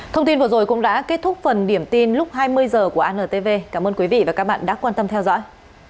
thông tin vừa rồi cũng đã kết thúc phần điểm tin lúc hai mươi h của antv cảm ơn quý vị và các bạn đã quan tâm theo dõi